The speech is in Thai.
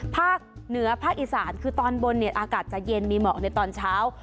ภาคเหนือภาคอีสานคือตอนบนเนี่ยอากาศจะเย็นมีหมอกในตอนเช้า